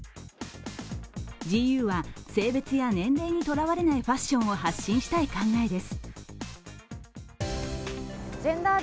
ＧＵは性別や年齢にとらわれないファッションを発信したい考えです。